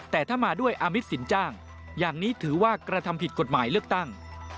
แต่ถ้ามาด้วยอามิตสินจ้างอย่างนี้ถือว่ากระทำผิดกฎหมายเลือกตั้ง